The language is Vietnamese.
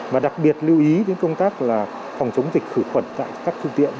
và đặc biệt lưu ý đến công tác phòng chống dịch khử khuẩn tại các phương tiện